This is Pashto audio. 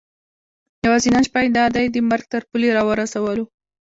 یوازې نن شپه یې دا دی د مرګ تر پولې را ورسولو.